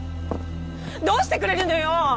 どうしてくれるのよ！